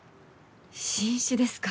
新種ですか？